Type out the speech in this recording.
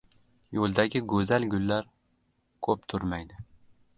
• Yo‘ldagi go‘zal gullar ko‘p turmaydi.